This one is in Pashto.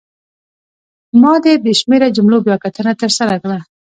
ما د بې شمېره جملو بیاکتنه ترسره کړه.